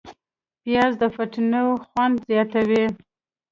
پیاز د فټنو خوند زیاتوي